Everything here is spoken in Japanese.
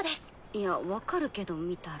いや分かるけど見たら。